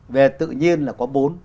về tự nhiên là có bốn